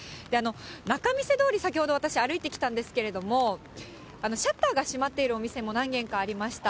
仲見世通り、先ほど私、歩いてきたんですけれども、シャッターが閉まっているお店も何軒かありました。